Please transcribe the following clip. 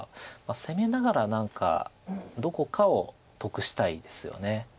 攻めながら何かどこかを得したいですよね。